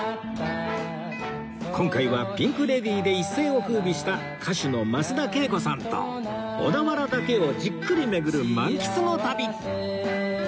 今回はピンク・レディーで一世を風靡した歌手の増田惠子さんと小田原だけをじっくり巡る満喫の旅！